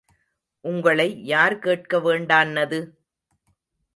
உங்களை யார் கேட்க வேண்டான்னது?